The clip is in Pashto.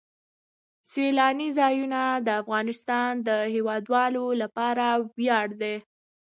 سیلانی ځایونه د افغانستان د هیوادوالو لپاره ویاړ دی.